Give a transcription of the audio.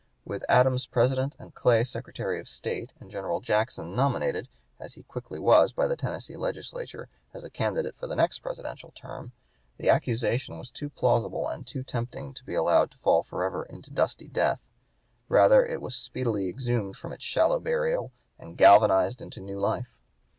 With Adams President and Clay Secretary of State and General Jackson nominated, as he quickly was by the Tennessee Legislature, as a candidate for the next Presidential term, the accusation was too plausible and too tempting to be allowed to fall forever into dusty death; rather it was speedily exhumed from its shallow burial and galvanized into new life.